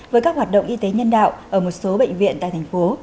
với các hoạt động y tế nhân đạo ở một số bệnh viện tại thành phố